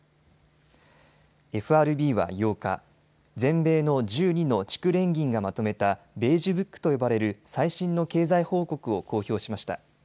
ＦＲＢは８日、全米の１２の地区連銀がまとめたベージュブックと呼ばれる最新の経済報告を公表しました。